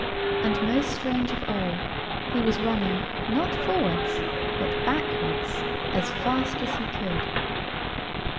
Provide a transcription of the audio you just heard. And, most strange of all, he was running not forwards but backwards, as fast as he could.